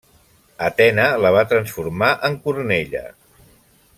Atena la va transformar en cornella.